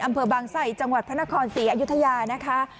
อำเภอบางไสจังหวัดพระนครศรีอยุธยานะคะ